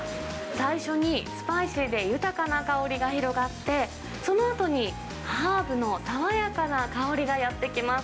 最初にスパイシーで豊かな香りが広がって、そのあとにハーブの爽やかな香りがやってきます。